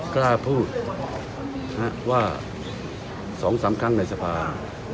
กล้าพูดว่า๒๓ครั้งในสภา